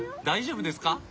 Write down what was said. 大丈夫ですか？